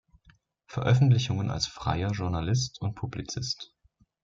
Veröffentlichungen als freier Journalist und Publizist.